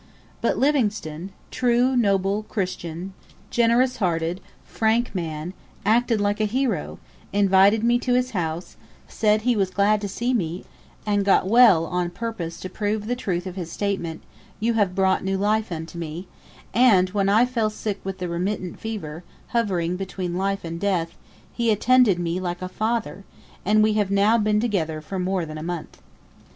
But Livingstone true, noble Christian, generous hearted, frank man acted like a hero, invited me to his house, said he was glad to see me, and got well on purpose to prove the truth of his statement, "You have brought new life unto me;" and when I fell sick with the remittent fever, hovering between life and death, he attended me like a father, and we have now been together for more than a month.